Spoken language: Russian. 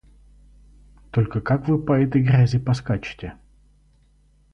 Только как вы по этой грязи поскачете?